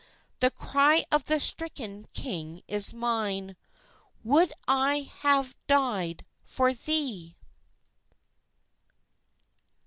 The cry of the stricken king is mine: "Would I had died for thee!"